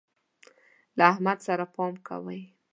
له احمد سره پام کوئ.